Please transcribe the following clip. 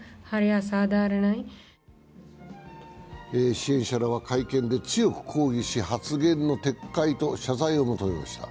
支援者らは会見で強く抗議し発言の撤回と謝罪を求めました。